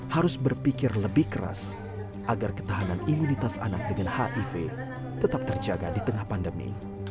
harus berpikir lebih keras agar ketahanan imunitas anak dengan hiv tetap terjaga di tengah pandemi